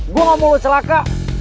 gue gak mau celaka